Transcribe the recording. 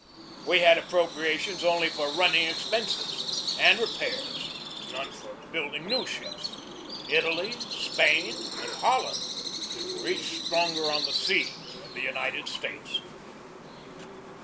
We had appropriations only for running expenses and re pairs, none for building new ships. Italy, Spain, and Holland were each stronger on the sea than the United States.